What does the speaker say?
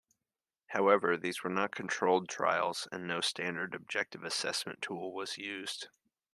However these were not controlled trials and no standard objective assessment tool was used.